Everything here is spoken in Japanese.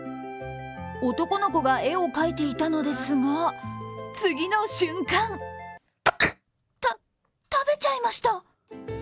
男の子が絵を描いていたのですが、次の瞬間食べちゃいました。